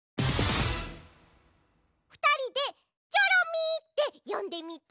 ふたりで「チョロミー」ってよんでみて？